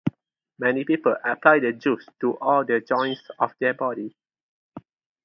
Many people apply the juice to all the joints of their body.